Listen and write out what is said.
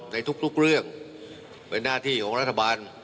ในทุกเรื่องเป็นหน้าที่ของรัฐบาล